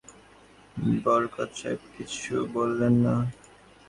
বরকত সাহেব কিছু বললেন না।